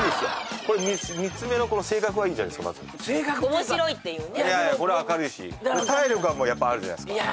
これ３つ目の性格はいいじゃないですかまず面白いっていうね明るいし体力はもうやっぱあるじゃないですか